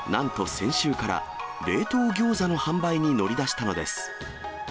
先週から、冷凍餃子の販売に乗り出したのです。